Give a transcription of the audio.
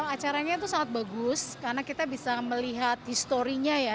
acaranya itu sangat bagus karena kita bisa melihat historinya ya